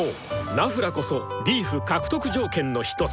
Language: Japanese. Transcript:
ナフラこそリーフ獲得条件の一つ！